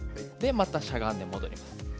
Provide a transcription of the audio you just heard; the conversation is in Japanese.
また、しゃがんで戻ります。